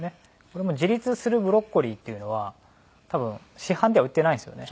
これも自立するブロッコリーっていうのは多分市販では売っていないんですよね。